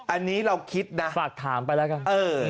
อันนี้เราคิดนะฝากถามไปแล้วกัน